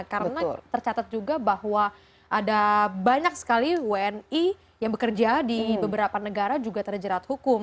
karena tercatat juga bahwa ada banyak sekali wni yang bekerja di beberapa negara juga terjerat hukum